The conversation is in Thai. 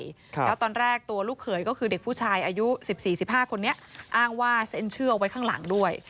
แล้วตอนแรกตัวลูกเขยก็คือเด็กผู้ชายอายุสิบสี่สิบห้าคนนี้อ้างว่าเซ็นเชื่อไว้ข้างหลังด้วย